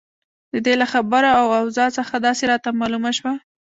د دې له خبرو او اوضاع څخه داسې راته معلومه شوه.